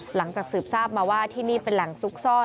หลังจากสืบทราบมาว่าที่นี่เป็นแหล่งซุกซ่อน